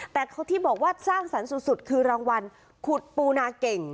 แต่ที่บอกว่าสร้างสรรค์สุดคือรางวัลขุดปูนาเก่ง